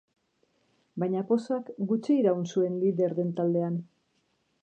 Baina pozak gutxi iraun zuen lider den taldean.